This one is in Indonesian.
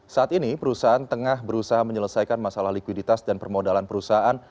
saat ini perusahaan tengah berusaha menyelesaikan masalah likuiditas dan permodalan perusahaan